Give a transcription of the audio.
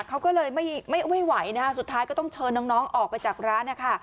เขาก็เลยไม่ไหวนะคะสุดท้ายก็ต้องเชิญน้องออกไปจากร้านนะคะ